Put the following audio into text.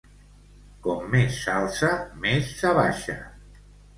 Com més s'alça, més s'abaixa.